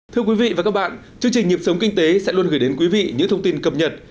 thưa quý vị và các bạn chương trình nhịp sống kinh tế sẽ luôn gửi đến quý vị những thông tin cập nhật